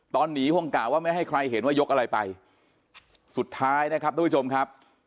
ตอนนี้คงกะว่าไม่ให้ใครเห็นว่ายกอะไรไปสุดท้ายนะครับทุกผู้ชมครับ